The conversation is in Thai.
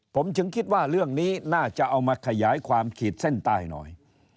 ผมถึงคิดว่าเรื่องนี้น่าจะเอามาขยายความขีดเส้นใต้หน่อย